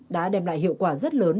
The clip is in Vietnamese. đã đem lại hiệu quả rất lớn